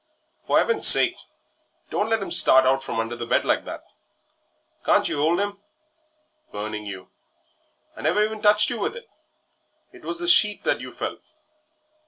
"For 'eaven's sake don't let him start out from under the bed like that! Can't yer 'old him? Burning you! I never even touched you with it; it was the sheet that you felt."